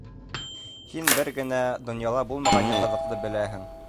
Һин бер генә, донъяла булмаған яңғыҙлыҡты беләһең.